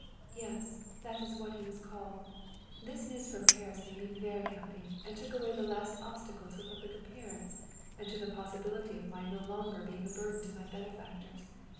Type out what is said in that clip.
" Yes, that was what he was called. This news from Paris made me very happy and took away the last obstacle to a public appearance, and to the possibility of my no longer being a burden to my benefactors.